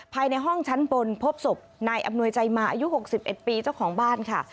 ภายในห้องชั้นบนพบศพนายอำนวยใจมาอายุ๖๑ปีเจ้าของบ้านค่ะ